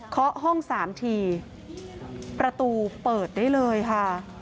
ห้อง๓ทีประตูเปิดได้เลยค่ะ